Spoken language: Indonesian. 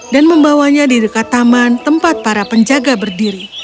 membawanya di dekat taman tempat para penjaga berdiri